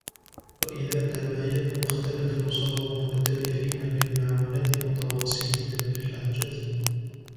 وَإِذَا تَبَايَنُوا وَاخْتَلَفُوا صَارُوا مُؤْتَلِفِينَ بِالْمَعُونَةِ مُتَوَاصِلِينَ بِالْحَاجَةِ